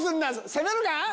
攻めるか？